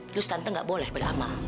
terus tante gak boleh beramal